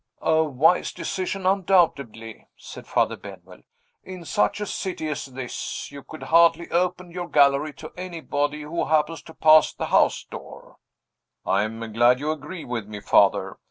"A wise decision, undoubtedly," said Father Benwell. "In such a city as this, you could hardly open your gallery to anybody who happens to pass the house door." "I am glad you agree with me, Father.